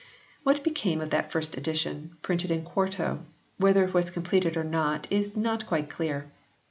What became of that first edition, printed in quarto, whether it was completed or not, is not quite clear.